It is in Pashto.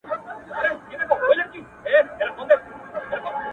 سیاه پوسي ده! اوښکي نڅېږي!